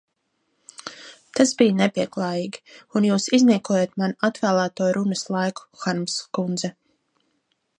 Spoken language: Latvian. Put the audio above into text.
Tas bija nepieklājīgi, un jūs izniekojat man atvēlēto runas laiku, Harms kundze.